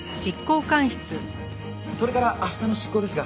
それから明日の執行ですが。